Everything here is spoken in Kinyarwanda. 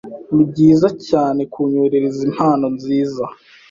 Nibyiza cyane kunyoherereza impano nziza.